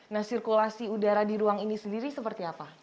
nah sirkulasi udara di ruang ini sendiri seperti apa